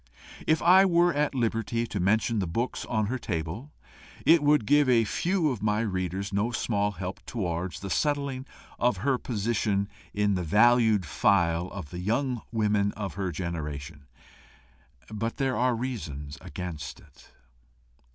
If I were at liberty to mention the books on her table, it would give a few of my readers no small help towards the settling of her position in the "valued file" of the young women of her generation; but there are reasons against it.